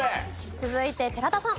続いて寺田さん。